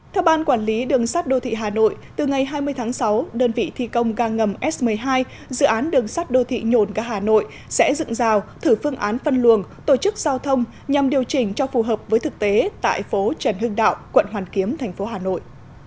theo ban quản lý đường sắt đô thị hà nội từ ngày hai mươi tháng sáu đơn vị thi công ga ngầm s một mươi hai dự án đường sắt đô thị nhồn ga hà nội sẽ dựng rào thử phương án phân luồng tổ chức giao thông nhằm điều chỉnh cho phù hợp với thực tế tại phố trần hưng đạo quận hoàn kiếm thành phố hà nội